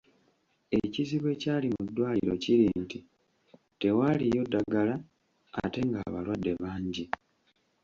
Ekizibu ekyali mu ddwaliro kiri nti tewaaliyo ddagala ate ng’abalwadde bangi.